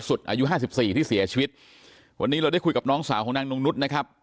สุดอายุ๕๔ที่เสียชวิตวันนี้เราได้คุยกับน้องสาวนางนงนุท์